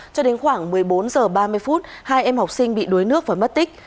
cho đến khoảng một mươi bốn h ba mươi phút hai em học sinh bị đuối nước và mất tích